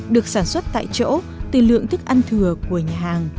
được sản xuất tại chỗ từ lượng thức ăn thừa của nhà hàng